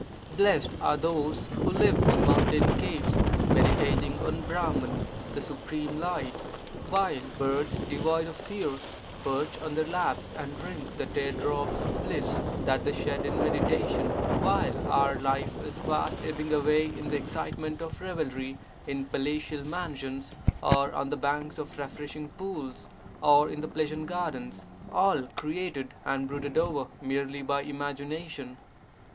Blessed are those who live in mountain caves meditating on Brahman, the Supreme Light, while birds devoid of fear perch on their laps and drink the tear drops of bliss (that they shed in meditation); while our life is HUNDRED VERSES ON RENUNCIATION 15 fast ebbing away in the excitement of revelry in palatial mansions or on the banks of refreshing pools or in pleasure gardens, all created (and brooded over) merely by imagination.